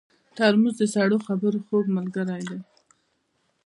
ترموز د سړو خبرو خوږ ملګری دی.